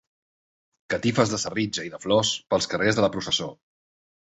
Catifes de serritja i de flors pels carrers de la processó.